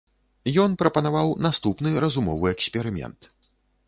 Ён прапанаваў наступны разумовы эксперымент.